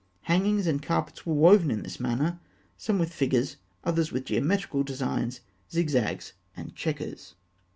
Hangings and carpets were woven in this manner; some with figures, others with geometrical designs, zigzags, and chequers (fig.